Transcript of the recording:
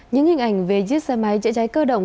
những hình ảnh về chiếc xe máy chữa cháy cơ động